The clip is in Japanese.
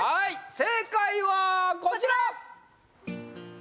正解はこちら！